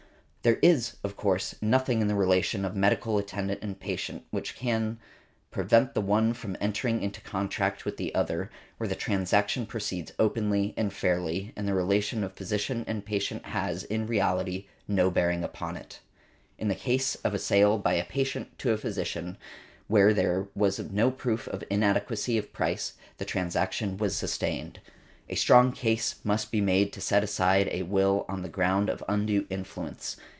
There is, of course, nothing in the relation of medical attendant and patient which can prevent the one from entering into a contract with the other, where the transaction proceeds openly and fairly, and the relation of physician and patient has, in reality, no bearing upon it . In the case of a sale by a patient to a physician, where there was no proof of inadequacy of price, the transaction was sustained . A strong case must be made to set aside a will on the ground of undue influence.